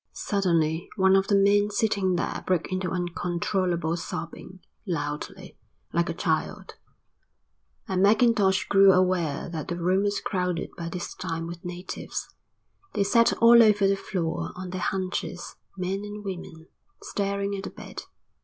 Suddenly one of the men sitting there broke into uncontrollable sobbing, loudly, like a child, and Mackintosh grew aware that the room was crowded by this time with natives. They sat all over the floor on their haunches, men and women, staring at the bed.